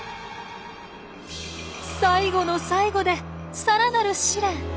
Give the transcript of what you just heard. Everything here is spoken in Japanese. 最後の最後でさらなる試練。